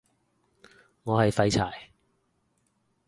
我係廢柴